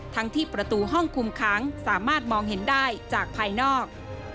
ทั้งที่ประตูห้องคุมค้างสามารถมองเห็นได้จากภายนอก